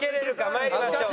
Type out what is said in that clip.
参りましょう。